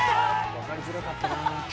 分かりづらかったなぁ。